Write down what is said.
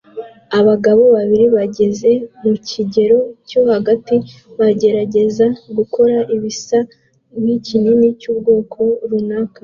Abagabo babiri bageze mu kigero cyo hagati bagerageza gukora ibisa nkikinini cyubwoko runaka